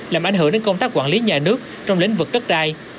làm ảnh hưởng đến công tác quản lý nhà nước trong lĩnh vực đất đai